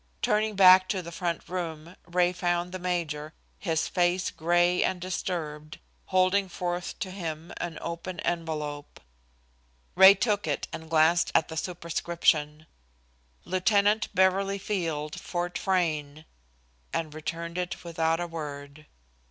Turning back to the front room, Ray found the major, his face gray and disturbed, holding forth to him an open envelope. Ray took it and glanced at the superscription. "Lieutenant Beverly Field, Fort Frayne," and returned it without a word.